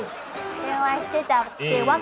電話してたってわけ。